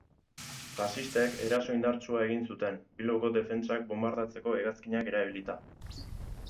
Faxistek eraso indartsua egin zuten, Bilboko defentsak bonbardatzeko hegazkinak erabilita.